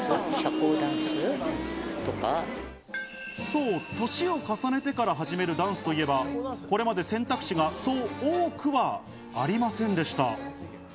そう、年を重ねてから始めるダンスといえば、これまで選択肢がそう多くはありませんでした。